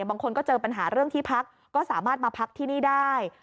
บางคนก็เจอปัญหาเรื่องที่พักก็สามารถมาพักที่นี่ได้